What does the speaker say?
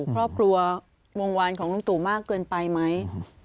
ครอบครัววงวานของลุงตู่มากเกินไปไหม